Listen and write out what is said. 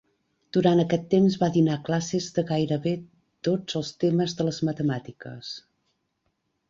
Durant aquest temps va dinar classes de gairebé tots els temes de les matemàtiques.